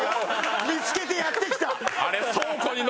見つけてやって来た。